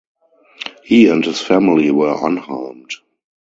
He and his family were unharmed.